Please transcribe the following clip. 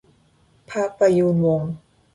พระประยูรวงศ์